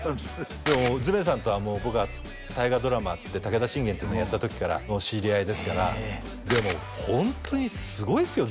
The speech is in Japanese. でも爪さんとはもう僕は大河ドラマで「武田信玄」っていうのをやった時からの知り合いですからでもホントにすごいっすよ